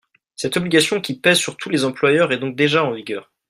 Cette obligation qui pèse sur tous les employeurs est donc déjà en vigueur.